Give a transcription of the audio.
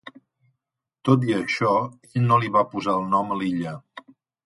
Tot i això, ell no li va posar el nom a l'illa.